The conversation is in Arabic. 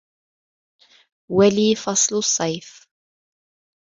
ولى فصل الصيف.